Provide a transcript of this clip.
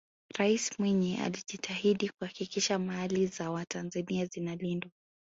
raisi mwinyi alijitahidi kuhakikisha mali za watanzania zinalindwa